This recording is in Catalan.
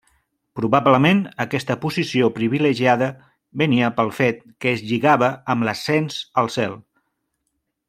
Probablement aquesta posició privilegiada venia pel fet que es lligava amb l'ascens al cel.